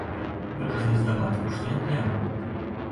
Выказалі здагадку, што я п'яны.